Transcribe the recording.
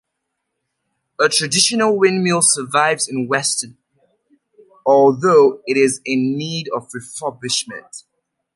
A traditional windmill survives in Weston, although it is in need of refurbishment.